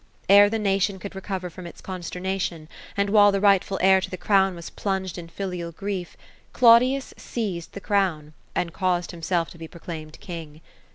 Ere the nation could . recover from its consternation ; and while the rightful heir to the crown was plunged in filial grief, Claudius seized the crown, and caused himself to be proclaimed king.